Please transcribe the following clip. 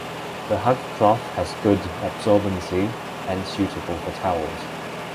The Huck cloth has good absorbency hence suitable for towels.